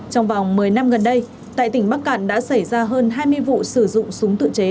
trong vòng một mươi năm gần đây tại tỉnh bắc cạn đã xảy ra hơn hai mươi vụ sử dụng súng tự chế